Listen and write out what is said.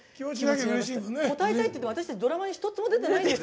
応えたいというか私たち、ドラマに１つも出てないんですよ。